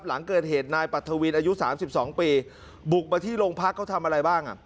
หลังเกิดเหตุนายปรัฐวินอายุ๓๒ปีบุกมาที่โรงพักเขาทำอะไรบ้างอ่ะ